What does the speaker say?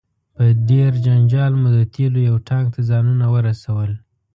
په ډیر جنجال مو د تیلو یو ټانک ته ځانونه ورسول.